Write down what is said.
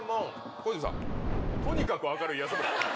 小泉さんとにかく明るい安村？